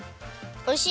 おいしい！